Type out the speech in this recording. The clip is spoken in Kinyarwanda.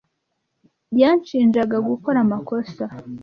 Yanshinjaga gukora amakosa.